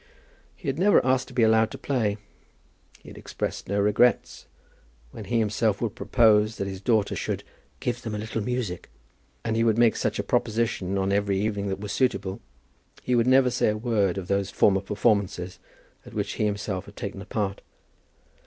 He had never asked to be allowed to play. He had expressed no regrets. When he himself would propose that his daughter should "give them a little music," and he would make such a proposition on every evening that was suitable, he would never say a word of those former performances at which he himself had taken a part.